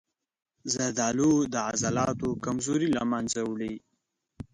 زردآلو د عضلاتو کمزوري له منځه وړي.